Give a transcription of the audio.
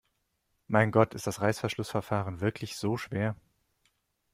Mein Gott, ist das Reißverschlussverfahren wirklich so schwer?